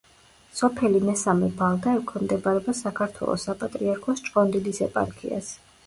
სოფელი მესამე ბალდა ექვემდებარება საქართველოს საპატრიარქოს ჭყონდიდის ეპარქიას.